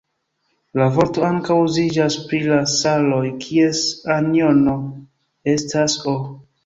La vorto ankaŭ uziĝas pri la saloj, kies anjono estas "O".